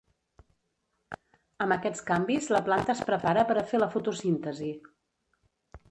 Amb aquests canvis la planta es prepara per a fer la fotosíntesi.